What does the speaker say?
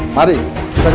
mari kita kelihatan